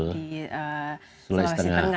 di sulawesi tengah ini